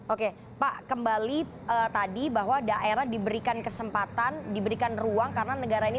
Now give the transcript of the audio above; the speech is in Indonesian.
oke pak kembali tadi bahwa daerah diberikan kesempatan diberikan ruang karena negara ini